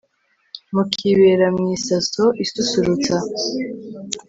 mukibera mu isaso isusurutsa